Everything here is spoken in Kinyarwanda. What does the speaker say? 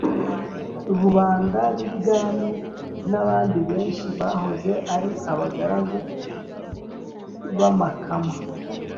rubanda b’ibwami n’abandi benshi bahoze ari abagaragu ba makama